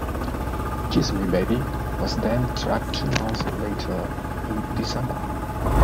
"Kiss Me Baby" was then tracked two months later in December.